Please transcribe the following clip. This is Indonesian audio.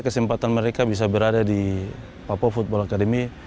kesempatan mereka bisa berada di papua football academy